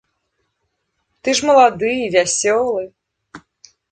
Ты ж малады, вясёлы.